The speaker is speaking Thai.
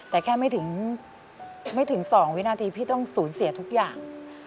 แต่แค่ไม่ถึง๒วินาทีพี่ต้องสูญเสียทุกอย่าง